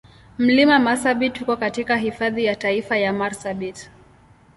Mlima Marsabit uko katika Hifadhi ya Taifa ya Marsabit.